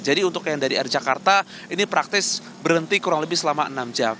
jadi untuk yang dari jakarta ini praktis berhenti kurang lebih selama enam jam